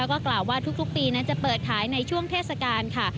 แล้วก็กล่าวว่าทุกปีนั้นจะเปิดขายในช่วงเทศกาลค่ะ